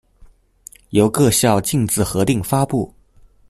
由各校逕自核定發布